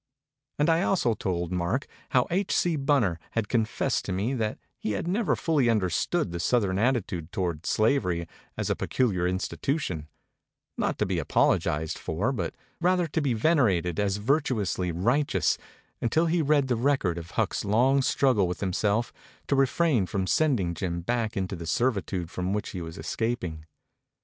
And I also told Mark how H. C. Bunner had confessed to me that he had never fully understood the Southern attitude toward slavery as a peculiar institution, not to be apologized for but rather to be venerated as virtuously righteous, until he read the record of Huck's long struggle with himself to refrain from sending Jim back into the servitude from which he was escaping.